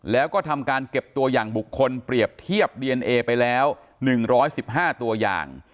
แล้วก็ทำการเก็บตัวอย่างบุคคลเปรียบเทียบดีเอนเอไปแล้ว๑๑๕ตัวอย่าง